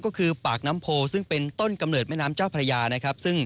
ก็คือปากน้ำโพซึ่งเป็นต้นกำเนิดแม่น้ำเจ้าพระยานะครับ